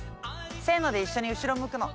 「せーの」で一緒に後ろ向くの。